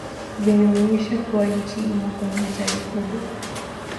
vinaonyesha kuwa nchi imo kwenye hatari kubwa